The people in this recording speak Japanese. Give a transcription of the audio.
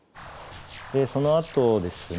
でそのあとですね